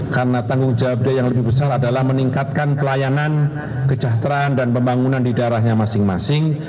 karena tanggung jawabnya yang lebih besar adalah meningkatkan pelayanan kejahteraan dan pembangunan di daerahnya masing masing